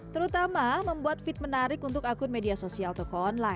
terutama membuat feed menarik untuk akun media sosial toko online